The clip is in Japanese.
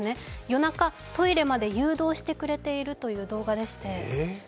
夜中、トイレまで誘導してくれているという動画でして。